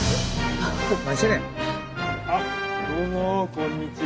あどうもこんにちは。